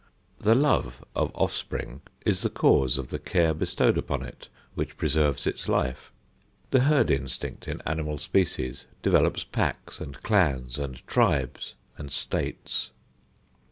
The love of offspring is the cause of the care bestowed upon it which preserves its life. The herd instinct in animal species develops packs and clans and tribes and states.